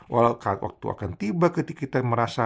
walau waktu akan tiba ketika kita merasa